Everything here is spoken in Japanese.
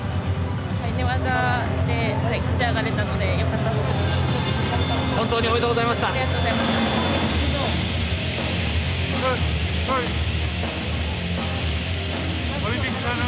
寝技で勝ち上がれたので良かったと思います。